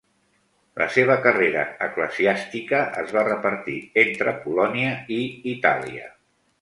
La seva carrera eclesiàstica es va repartir entre Polònia i Itàlia.